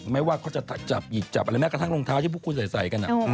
ไม่ว่าเขาจะจับหยิกจับอะไรแม้กระทั่งรองเท้าที่พวกคุณใส่กัน